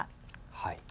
はい。